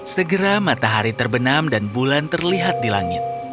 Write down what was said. segera matahari terbenam dan bulan terlihat di langit